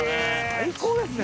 最高ですね